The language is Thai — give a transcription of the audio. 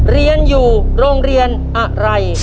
เรียนอยู่โรงเรียนอะไร